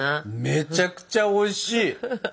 めちゃくちゃおいしい！